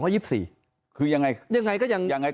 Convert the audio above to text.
ยังไงก็ยัง